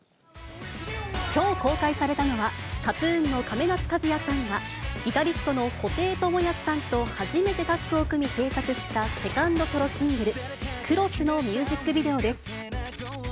きょう公開されたのは、ＫＡＴーＴＵＮの亀梨和也さんがギタリストの布袋寅泰さんと初めてタッグを組み制作したセカンドソロシングル、Ｃｒｏｓｓのミュージックビデオです。